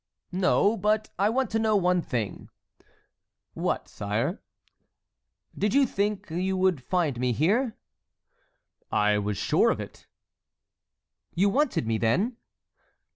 "No, but I want to know one thing." "What, sire?" "Did you think you would find me here?" "I was sure of it." "You wanted me, then?"